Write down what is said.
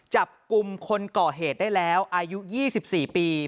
จับกลุ่มคนก่อเหตุได้แล้วอายุ๒๔ปี